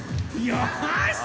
よし！